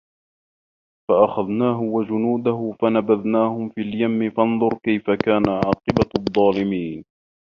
فَأَخَذناهُ وَجُنودَهُ فَنَبَذناهُم فِي اليَمِّ فَانظُر كَيفَ كانَ عاقِبَةُ الظّالِمينَ